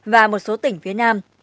và một số tỉnh phía nam